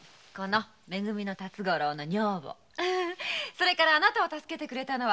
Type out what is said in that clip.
それからあなたを助けてくれたのは新さん。